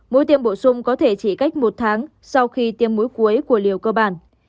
mũi tiêm bổ sung có thể chỉ cách một tháng sau khi tiêm mũi cuối của liều cơ bản